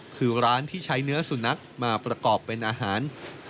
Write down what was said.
คือร้านที่ใช้เนื้อสุนัขมาประกอบเป็นอาหาร